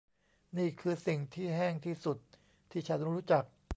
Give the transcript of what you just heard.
นี่คือสิ่งที่แห้งที่สุดที่ฉันรู้จัก